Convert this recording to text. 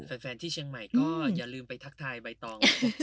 แฟนที่เชียงใหม่ก็อย่าลืมไปทักทายใบตอง